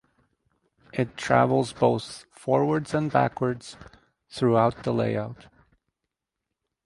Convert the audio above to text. It travels both forwards and backwards throughout the layout.